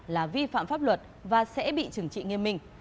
là vi phạm pháp luật và sẽ bị trừng trị nghiêm minh